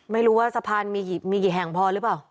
ไม่รู้ว่าสะพานมีกี่แห่งพอหรือเปล่า